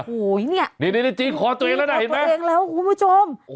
โอ้โฮนี่นี่จี้คอตัวเองแล้วนะเห็นไหมโอ้โฮ